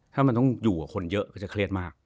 ถ้ามันต้องอยู่กับคนเยอะเขาจะเครียดมาก